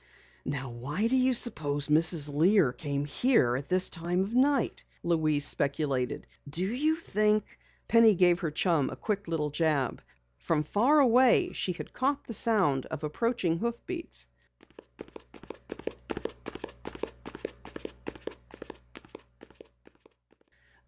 "Now why do you suppose Mrs. Lear came here at this time of night?" Louise speculated. "Do you think " Penny gave her chum a quick little jab. From far away she had caught the sound of approaching hoofbeats.